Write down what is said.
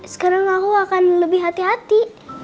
sekarang aku akan lebih hati hati